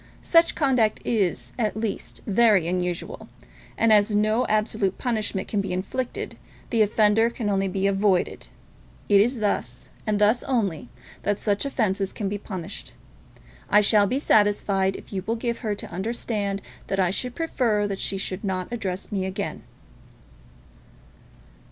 Such conduct is, at least, very unusual; and as no absolute punishment can be inflicted, the offender can only be avoided. It is thus, and thus only, that such offences can be punished. I shall be satisfied if you will give her to understand that I should prefer that she should not address me again."